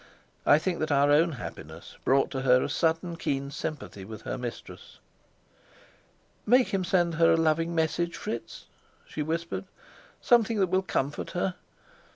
I think that our own happiness brought to her a sudden keen sympathy with her mistress. "Make him send her a loving message, Fritz," she whispered. "Something that will comfort her.